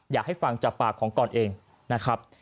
อยากให้ฟังจากปากของกรเองนะครับ